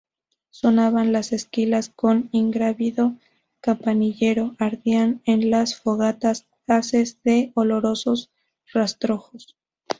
sonaban las esquilas con ingrávido campanilleo, ardían en las fogatas haces de olorosos rastrojos